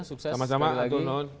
sukses sekali lagi sama sama antunun